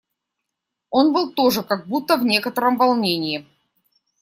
Он был тоже как будто в некотором волнении.